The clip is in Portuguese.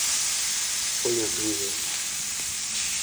Foi incrível.